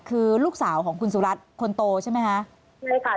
คือลูกสาวของคุณสุรัตน์คนโตใช่ไหมคะใช่ค่ะ